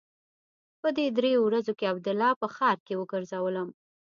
په دې درېو ورځو کښې عبدالله په ښار کښې وګرځولم.